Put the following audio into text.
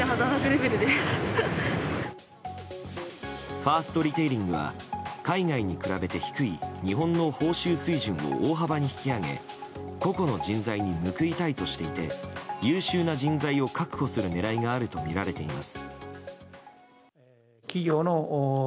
ファーストリテイリングは海外に比べて低い日本の報酬水準を大幅に引き上げ個々の人材に報いたいとしていて優秀な人材を確保する狙いがあるとみられています。